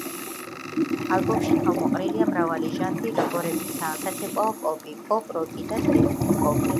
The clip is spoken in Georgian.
ალბომში თავმოყრილია მრავალი ჟანრი როგორებიცაა: ლათინური პოპი, საცეკვაო პოპი, პოპ როკი და ტრიპ ჰოპი.